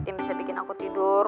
yang bisa bikin aku tidur